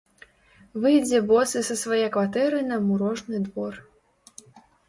Выйдзе босы са свае кватэры на мурожны двор.